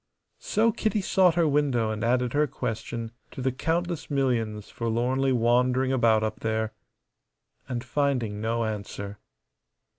So Kitty sought her window and added her question to the countless millions forlornly wandering about up there, and finding no answer.